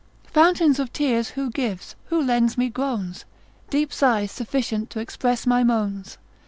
Fountains of tears who gives, who lends me groans, Deep sighs sufficient to express my moans?